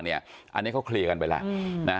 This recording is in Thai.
อันนี้เขาเคลียร์กันไปแล้ว